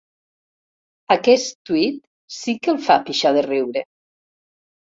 Aquest tuit sí que el fa pixar de riure.